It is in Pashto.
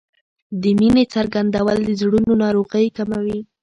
د مینې څرګندول د زړونو ناروغۍ کموي.